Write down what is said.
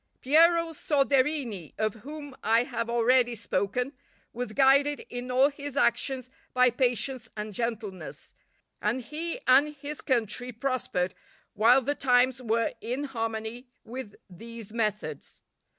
Piero Soderini, of whom I have already spoken, was guided in all his actions by patience and gentleness, and he and his country prospered while the times were in harmony with these methods.